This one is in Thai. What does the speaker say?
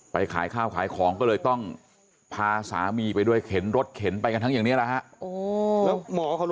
ขายข้าวขายของก็เลยต้องพาสามีไปด้วยเข็นรถเข็นไปกันทั้งอย่างนี้แหละฮะ